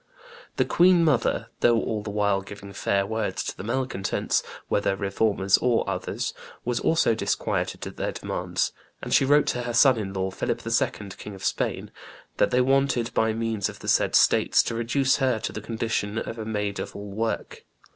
The queen mother, though all the while giving fair words to the malcontents, whether Reformers or others, was also disquieted at their demands, and she wrote to her son in law, Philip II., King of Spain, 'that they wanted, by means of the said states, to reduce her to the condition of a maid of all work.